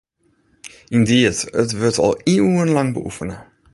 Yndied, it wurdt al iuwenlang beoefene.